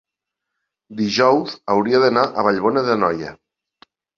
dijous hauria d'anar a Vallbona d'Anoia.